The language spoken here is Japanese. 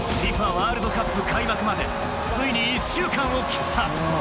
ワールドカップ開幕までついに１週間を切った。